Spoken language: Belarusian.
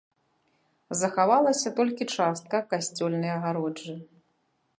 Захавалася толькі частка касцёльнай агароджы.